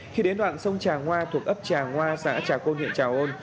khi đến đoạn sông trà ngoa thuộc ấp trà ngoa xã trà côn huyện trà côn